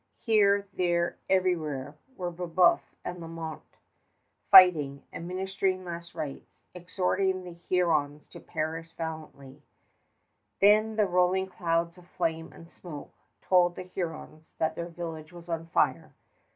Here, there, everywhere, were Brébeuf and Lalemant, fighting, administering last rites, exhorting the Hurons to perish valiantly. Then the rolling clouds of flame and smoke told the Hurons that their village was on fire.